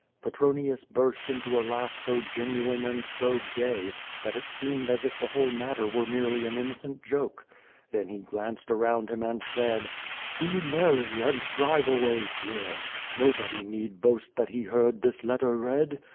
Petroniu* burst into a laugh so genuine and so gay, that it seemed as if the whole matter were merely an innocent joke. Then he glsinced around him and said: ''Be merry, and drive away fear, nobody need boast that he heard this letter read.